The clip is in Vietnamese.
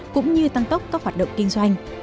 cũng như tăng tốc các hoạt động kinh doanh